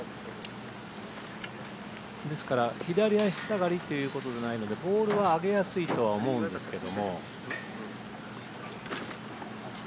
ですから左足下がりということでボールは上げやすいとは思うんですけど。